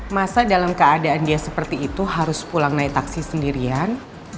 masa dalam keadaan dia seperti itu harus pulang naik taksi sendirian